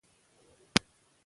که تجربه وي نو کار نه خرابېږي.